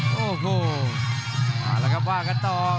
ก็เข้าแล้วกันต่อ